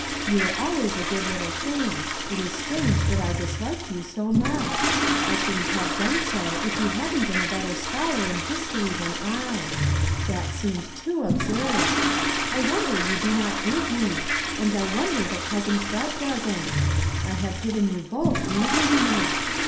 You were always a good little thing; it is strange that I disliked you so much. I shouldn't have done so if you hadn't been a better scholar in history than I; that seemed too absurd! I wonder you do not hate me, and I wonder that cousin Fred doesn't; I have given you both reason enough.